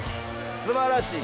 すばらしい！